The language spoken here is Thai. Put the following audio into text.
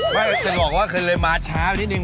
ว่าจะบอกว่าเคยเลยมาเช้านิดนึ